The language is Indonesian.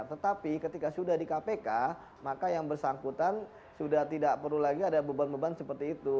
tetapi ketika sudah di kpk maka yang bersangkutan sudah tidak perlu lagi ada beban beban seperti itu